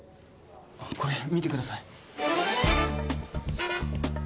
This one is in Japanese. これ見てください。